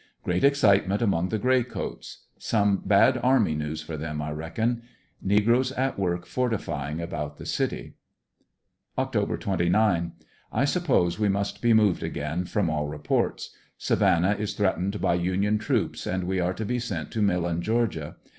Great excitement among the Gray coats. Some bad army news for them, I reckon. Negroes at work forti fying about the city. Oct. 29 .— I suppose we must be moved again, from all reports. Savannah is threatened by Union troops, and we are to be sent to Millen, Ga.